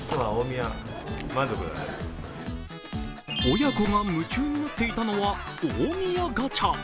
親子が夢中になっていたのは大宮ガチャ。